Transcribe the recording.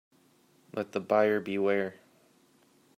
Let the buyer beware.